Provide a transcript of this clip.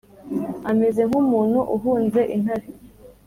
Ameze nk’umuntu uhunze intare,